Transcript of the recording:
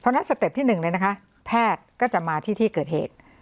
เพราะฉะนั้นสเต็ปที่๑เลยนะคะแพทย์ก็จะมาที่ที่เกิดเหตุ